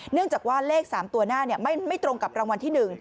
เนื่องจากว่าเลข๓ตัวหน้าไม่ตรงกับรางวัลที่๑